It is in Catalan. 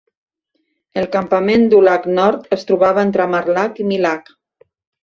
El campament Dulag Nord es trobava entre "Marlag" i "Milag".